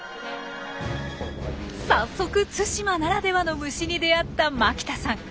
早速対馬ならではの虫に出会った牧田さん。